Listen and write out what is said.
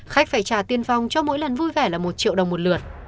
khách phải trả tiền phòng cho mỗi lần vui vẻ là một triệu đồng một lượt